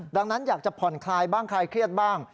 ดังนั้นอยากจะผ่อนคลายบ้างคลายเครียดบ้าง